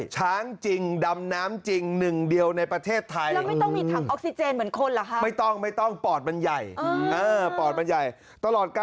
ช้างจริงหรือเปล่าใช่ช้างโชว์หรือคะ